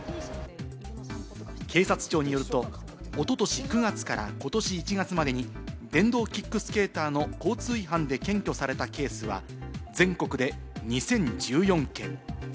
警察庁によると、一昨年９月から今年１月までに電動キックスケーターの交通違反で検挙されたケースは全国で２０１４件。